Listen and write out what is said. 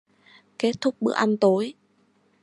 Kết thúc bữa ăn tối